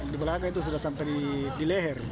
di belakang itu sudah sampai di leher